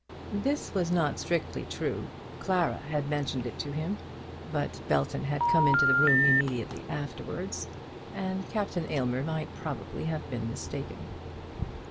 This was not strictly true. Clara had mentioned it to him; but Belton had come into the room immediately afterwards, and Captain Aylmer might probably have been mistaken.